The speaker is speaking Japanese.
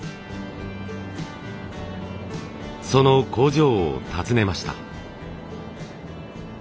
その工場を訪ねました。